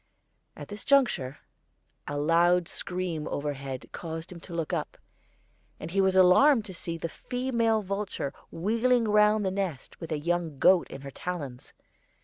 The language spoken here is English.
At this juncture a loud scream overhead caused him to look up, and he was alarmed to see the female vulture wheeling round the nest with a young goat in her talons.